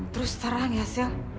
terus terang ya cyil